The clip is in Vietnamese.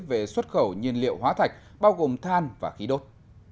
về xuất khẩu nhiên liệu hóa thạch bao gồm than và khí đốt